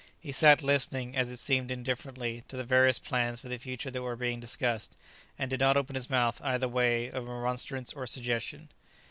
He sat listening, as it seemed indifferently, to the various plans for the future that were being discussed, and did not open his mouth either by way of remonstrance or suggestion.